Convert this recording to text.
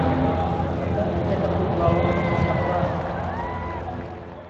ดังเห็นในการ์ตูนล้อ ให้คนจำได้